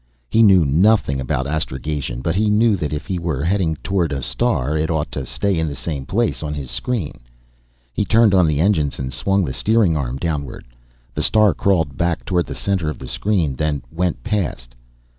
He knew nothing about astrogation; but he knew that if he were heading directly toward the star, it ought to stay in the same place on his screen. He turned on the engines and swung the steering arm downward. The star crawled toward the center of the screen, then went past.